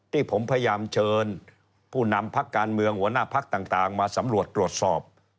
ที่ผมพยายามเชิญผู้นำพักการเมืองหัวหน้าพักต่างมาสำรวจตรวจสอบ